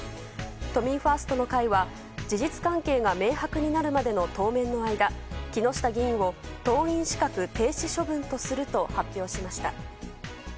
都民ファーストの会は事実関係が明白になるまでの当面の間、木下議員を党員資格停止処分とすると発表しました。